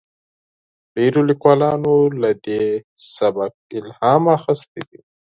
ډیرو لیکوالانو له دې سبک الهام اخیستی دی.